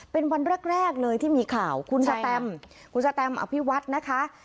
เป็นวันแรกเลยที่มีข่าวคุณสแตมคุณสแตมอภิวัฒน์นะคะ